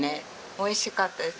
美味しかったです。